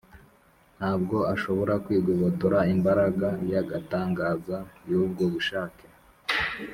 ntabwo ashobora kwigobotora imbaraga y’agatangaza y’ubwo bushake